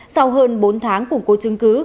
sau hơn bốn tháng củng cố chứng cứ